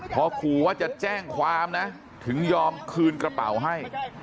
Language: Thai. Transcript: พอขู่ว่าจะแจ้งความนะถึงยอมคืนกระเป๋าให้